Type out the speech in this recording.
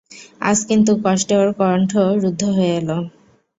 আজ কিন্তু কষ্টে ওর কণ্ঠ রুদ্ধ হয়ে এল।